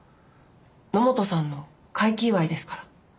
野本さんの快気祝いですから。